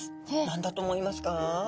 何だと思いますか？